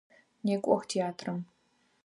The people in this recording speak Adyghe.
Некӏох театрэм!